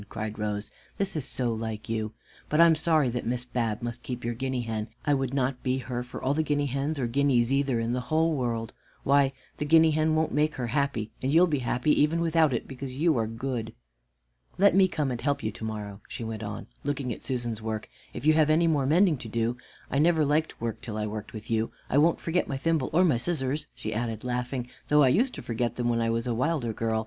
cried Rose. "This is so like you! but I'm sorry that Miss Bab must keep your guinea hen. I would not be her for all the guinea hens, or guineas either, in the whole world. Why, the guinea hen won't make her happy, and you'll be happy even without it, because you are good. Let me come and help you to morrow," she went on, looking at Susan's work, "if you have any more mending to do I never liked work till I worked with you. I won't forget my thimble or my scissors," she added, laughing "though I used to forget them when I was a wilder girl.